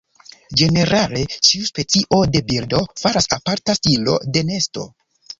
Ĝenerale, ĉiu specio de birdo faras aparta stilo de nesto.